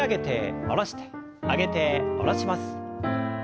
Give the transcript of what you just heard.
上げて下ろします。